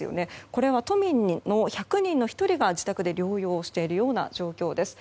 これは都民の１００人に１人が自宅で療養している状況です。